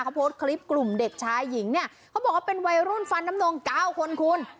เขาโพสต์คลิปกลุ่มเด็กชายหญิงเนี่ยเขาบอกว่าเป็นวัยรุ่นฟันน้ำนมเก้าคนคุณ